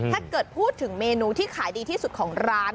ถ้าเกิดพูดถึงเมนูที่ขายดีที่สุดของร้าน